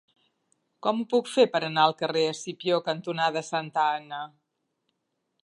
Com ho puc fer per anar al carrer Escipió cantonada Santa Anna?